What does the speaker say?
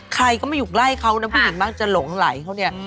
ใครก็ไม่อยู่ใกล้เขานะผู้หญิงมักจะหลงไหลเขาเนี่ย